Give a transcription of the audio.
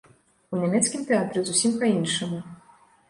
У нямецкім тэатры зусім па-іншаму.